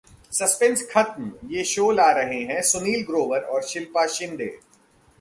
suspense खत्म, ये show ला रहे हैं सुनील ग्रोवर और शिल्पा शिंदे